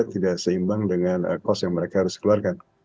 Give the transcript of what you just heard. tidak seimbang dengan cost yang mereka harus keluarkan